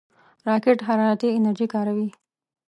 راکټ حرارتي انرژي کاروي